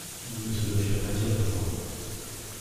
Ils ne se le firent pas dire deux fois.